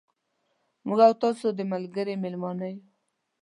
موږ او تاسو د ملګري مېلمانه یو.